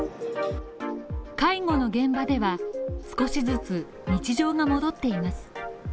介護の現場では少しずつ日常が戻っています。